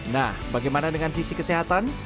nah bagaimana dengan sisi kesehatan